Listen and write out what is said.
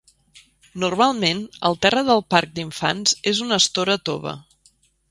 Normalment, el terra del parc d'infants és una estora tova.